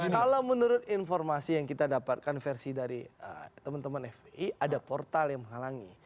kalau menurut informasi yang kita dapatkan versi dari teman teman fpi ada portal yang menghalangi